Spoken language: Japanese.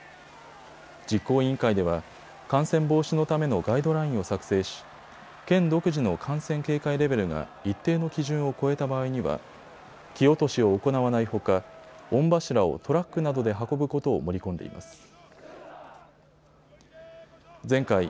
実行委員会では感染防止のためのガイドラインを作成し県独自の感染警戒レベルが一定の基準を超えた場合には木落しを行わないほか御柱をトラックなどで運ぶことを盛り込んでいます。